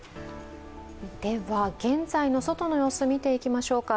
現在の外の様子を見ていきましょうか。